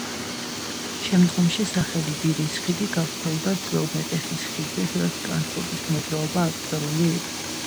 შემდგომში სახელი „ვირის ხიდი“ გავრცელდა ძველ მეტეხის ხიდზე, სადაც ტრანსპორტის მოძრაობა აკრძალული იყო.